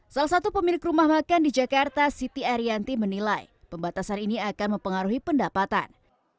salah satu pemilik rumah makan di jakarta siti ariyanti menilai pembatasan ini akan mempengaruhi pendapatan